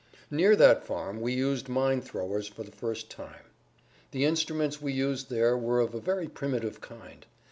Near that farm we used mine throwers for the first time. The instruments we used there were of a very primitive kind.